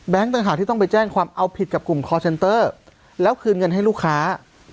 ต่างหากที่ต้องไปแจ้งความเอาผิดกับกลุ่มคอร์เซ็นเตอร์แล้วคืนเงินให้ลูกค้า